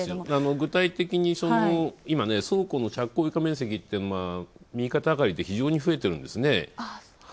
具体的に倉庫の着工床面積って右肩上がりで非常に増えてるんですね。